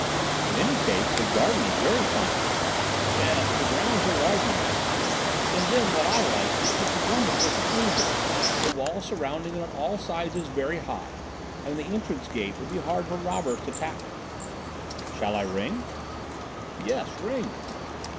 "In any case, the garden is very fine." "Yes, the grounds are large enough. And then what I like is its wonderful seclusion: the wall surrounding it on all sides is very high, and the entrance gate would be hard for robbers to tackle." "Shall I ring?" "Yes, ring."